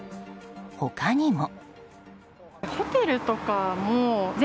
他にも。